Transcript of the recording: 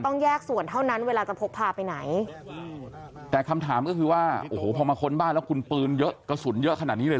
ต้องแยกส่วนเท่านั้นเวลาจะพกพาไปไหนแต่คำถามก็คือว่าโอ้โหพอมาค้นบ้านแล้วคุณปืนเยอะกระสุนเยอะขนาดนี้เลยเห